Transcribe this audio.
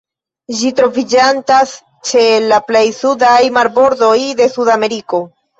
Ĝi troviĝantas ĉe la plej sudaj marbordoj de Sudameriko.